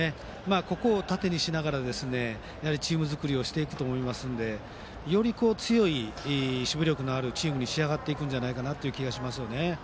ここを糧にしながらチーム作りをしていくと思いますのでより強い守備力のあるチームに仕上がっていくと思いますね。